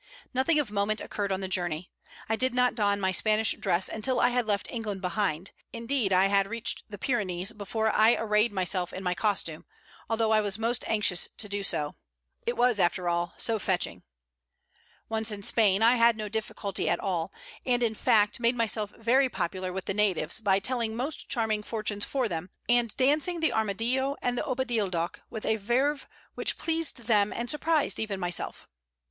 Nothing of moment occurred on the journey. I did not don my Spanish dress until I had left England behind indeed, I had reached the Pyrenees before I arrayed myself in my costume, although I was most anxious to do so. It was, after all, so fetching. Once in Spain I had no difficulty at all, and in fact made myself very popular with the natives by telling most charming fortunes for them, and dancing the armadillo and opadildock with a verve which pleased them and surprised even myself.